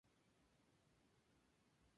No hace falta ser ningún experto en análisis.